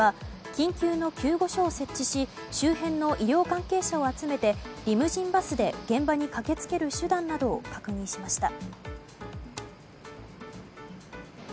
緊急の救護所を設置し周辺の医療関係者を集めてリムジンバスで現場に駆け付ける手段などを確認しました。